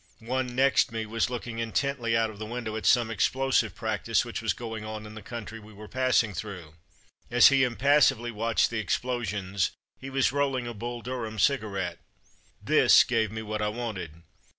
One next me was looking intently out of the win dow at some explosive practice which was going on in the country we were passing through. As he impassively watched the explosions, he was rolling a Bull Durham cigarette. This gave me what I wanted.